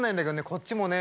こっちもね